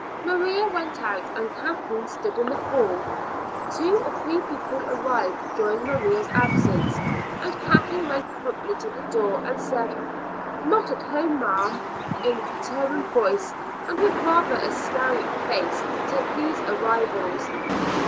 Maria went out, and Kathleen stood in the hall. Two or three people arrived during Maria's absence, and Kathleen went promptly to the door and said, "Not at home, ma'am," in a determined voice, and with rather a scowling face, to these arrivals.